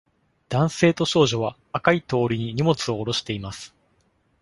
男性と少女は、赤い通りに荷物を降ろしています。